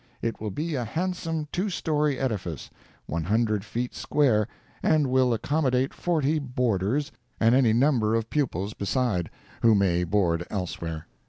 It will be a handsome two story edifice, one hundred feet square, and will accommodate forty "boarders" and any number of pupils beside, who may board elsewhere.